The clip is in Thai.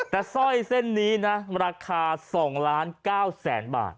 แต่สร้อยเส้นนี้นะราคา๒ล้าน๙แสนบาท